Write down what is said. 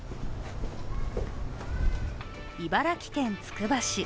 茨城県つくば市。